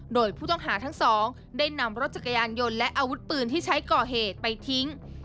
โดยผู้ต้องหาทั้งสองได้นำรถจักรยานยนต์และอาวุธปืนที่ใช้ก่อเหตุไปทิ้ง